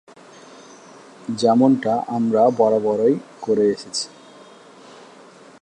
যেমনটা আমরা বরাবরই করে এসেছি।